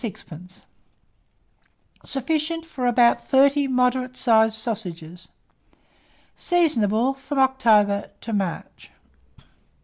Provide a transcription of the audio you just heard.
Sufficient for about 30 moderate sized sausages. Seasonable from October to March.